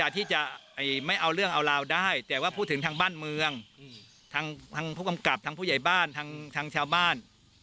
แต่ว่าพูดถึงทางบ้านเมืองทั้งพวกครรภทางผู้ใหญ่บ้านทางชาวบ้าน